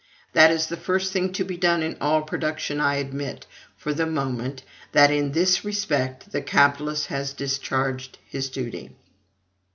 That is the first thing to be done in all production. I admit, for the moment, that in this respect the capitalist has discharged his duty.